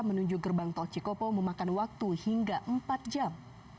menuju gerbang tol cikopo memakan waktu hingga empat jam